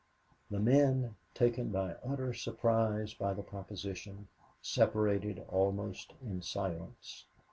The men, taken by utter surprise by the proposition, separated almost in silence.